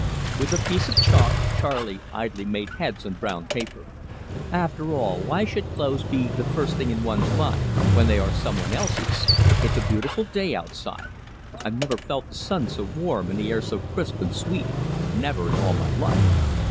With a piece of chalk Charley idly made heads on brown paper. "After all, why should clothes be the first thing in one's mind when they are some one else's! It's a beautiful day outside. I've never felt the sun so warm and the air so crisp and sweet never in all my life."